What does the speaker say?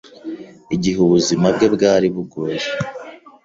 Igihe ubuzima bwe bwari bugoye